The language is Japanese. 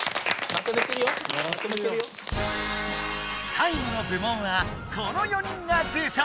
さいごの部門はこの４人が受賞。